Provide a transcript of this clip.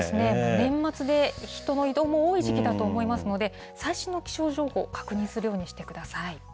年末で人の移動も多い時期だと思いますので、最新の気象情報、確認するようにしてください。